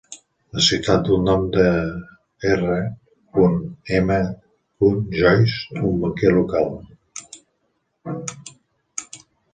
La ciutat duu el nom d'R. M. Joice, un banquer local.